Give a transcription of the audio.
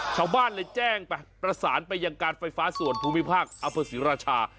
ชาวบ้านเลยแจ้งไปประสานไปยังการไฟฟ้าส่วนภูมิภาคอำเภอศรีราชา